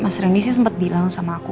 mas rendy sih sempat bilang sama aku